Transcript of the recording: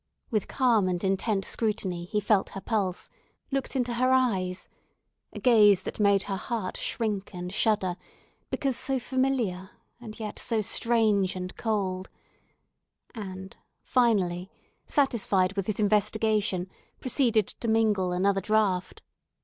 With calm and intent scrutiny, he felt her pulse, looked into her eyes—a gaze that made her heart shrink and shudder, because so familiar, and yet so strange and cold—and, finally, satisfied with his investigation, proceeded to mingle another draught.